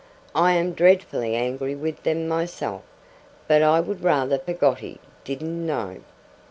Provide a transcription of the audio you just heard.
I am dreadfully angry with them myself; but I would rather Peggotty didn't know.